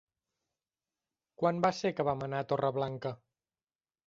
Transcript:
Quan va ser que vam anar a Torreblanca?